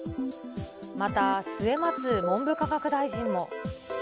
また末松文部科学大臣も。